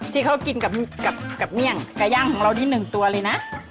ที่เขากินกับเมี่ยงไก่ย่างของเรานี่๑ตัวเลยนะ